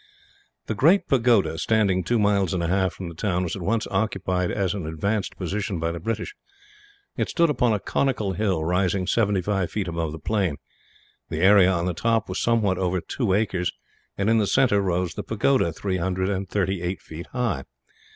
The great pagoda, standing two miles and a half from the town, was at once occupied as an advanced position by the British. It stood upon a conical hill, rising seventy five feet above the plain. The area on the top was somewhat over two acres; and in the centre rose the pagoda, three hundred and thirty eight feet high.